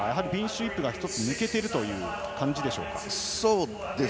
イップが１つ抜けているという感じでしょうか。